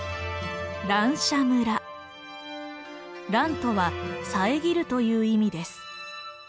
「」とはさえぎるという意味です。